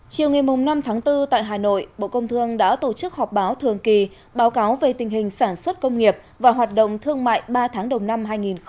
chiều ngày năm tháng bốn tại hà nội bộ công thương đã tổ chức họp báo thường kỳ báo cáo về tình hình sản xuất công nghiệp và hoạt động thương mại ba tháng đầu năm hai nghìn hai mươi